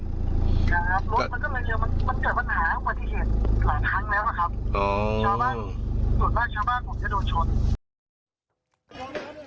ชอบบ้างส่วนบ้างชอบบ้างหรือจะโดนชน